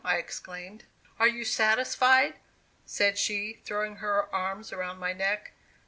I exclaimed. "Are you satisfied?" said she, throwing her arms around my neck.